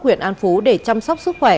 quyện an phú để chăm sóc sức khỏe